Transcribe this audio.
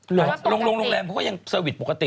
หรือโรงแรมก็ยังเซอร์วิสปกติ